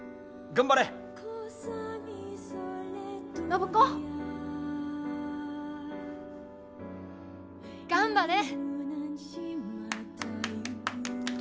頑張れ！頑張って！